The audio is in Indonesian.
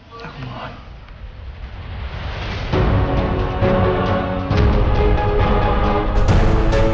kau mau nikah sama aku